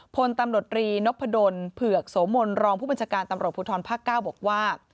พลตำรวจรีนพดลเผือกโสมนรองผู้บัญชาการตำรวจภูทรภาค๙บอกว่า